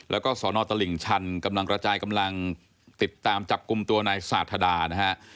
แล้วก็สอนอตลิ่งชันกำลังกระจายกำลังติดตามจับกลุ่มตัวนายสาธาดานะฮะ